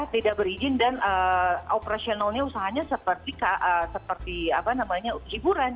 tidak berizin dan operasionalnya usahanya seperti hiburan